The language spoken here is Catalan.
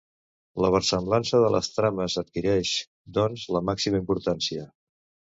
La versemblança de les trames adquireix doncs la màxima importància.